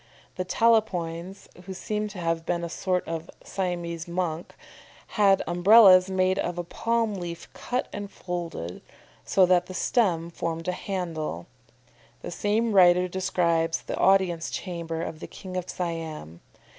The Talapoins (who seem to have been a sort of Siamese monks) had Umbrellas made of a palm leaf cut and folded, so that the stem formed a handle. The same writer describes the audience chamber of the King of Siam.